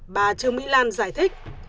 bà trương mỹ lan giải thích